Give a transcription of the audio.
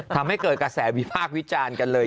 ทำให้เกิดกระแสวิพากษ์วิจารณ์กันเลย